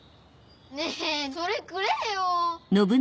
ねぇそれくれよ！